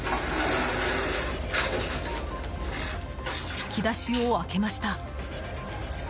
引き出しを開けました。